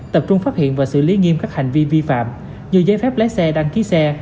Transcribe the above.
tập trung phát hiện và xử lý nghiêm các hành vi vi phạm như giấy phép lái xe đăng ký xe